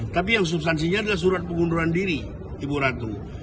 tapi yang substansinya adalah surat pengunduran diri ibu ratu